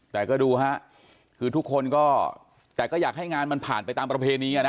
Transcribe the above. แต่ก็ดูฮะคือทุกคนก็แต่ก็อยากให้งานมันผ่านไปตามประเพณีอ่ะนะ